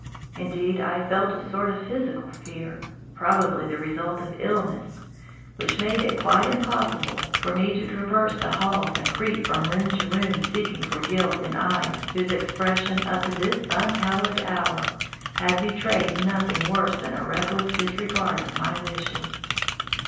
Indeed, I felt a sort of physical fear, probably the result of illness, which made it quite impossible for me to traverse the halls and creep from room to room seeking for guilt in eyes whose expression up to this unhallowed hour had betrayed nothing worse than a reckless disregard of my wishes.